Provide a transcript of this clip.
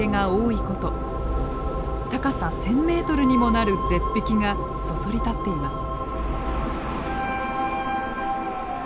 高さ１，０００メートルにもなる絶壁がそそり立っています。